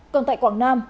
còn tại quảng nam